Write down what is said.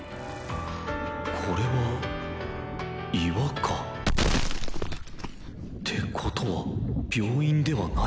これは岩か？ってことは病院ではない？